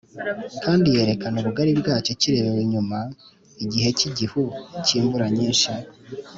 Kandi yerekana ubugari bwacyo kirebewe inyuma igihe cy igihu cy imvura nyinshi